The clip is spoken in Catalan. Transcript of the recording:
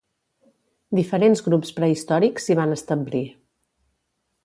Diferents grups prehistòrics s'hi van establir.